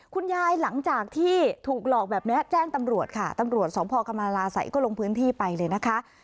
หลังจากที่ถูกหลอกแบบนี้แจ้งตำรวจค่ะตำรวจสพกรรมราศัยก็ลงพื้นที่ไปเลยนะคะ